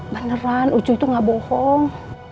beneran lucu itu gak bohong